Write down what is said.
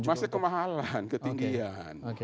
masih kemahalan ketinggian